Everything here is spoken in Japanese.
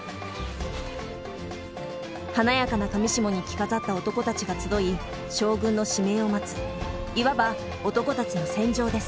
華やかな裃に着飾った男たちが集い将軍の指名を待ついわば男たちの戦場です。